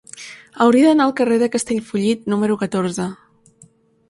Hauria d'anar al carrer de Castellfollit número catorze.